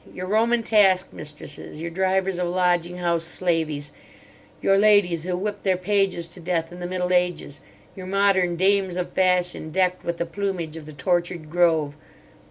Your Roman task mistresses; your drivers of lodging house slaveys; your ladies who whipped their pages to death in the Middle Ages; your modern dames of fashion, decked with the plumage of the tortured grove.